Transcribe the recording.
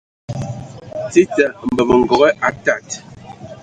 Tita mbembə ngoge aa tad.